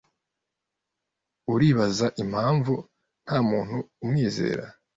Uribaza impamvu ntamuntu umwizera?